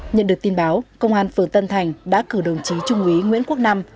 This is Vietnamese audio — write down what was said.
nhận được tin báo công an phường tân thành đã cử đồng chí trung quý nguyễn quốc năm